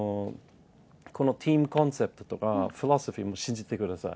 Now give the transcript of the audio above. で、このチームコンセプトとか、フィロソフィーを信じてください。